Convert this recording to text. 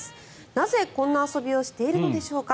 なぜこんな遊びをしているのでしょうか。